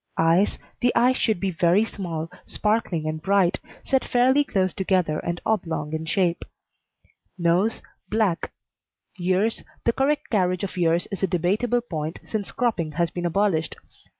EYES The eyes should be very small, sparkling, and bright, set fairly close together and oblong in shape. NOSE Black. EARS The correct carriage of ears is a debatable point since cropping has been abolished.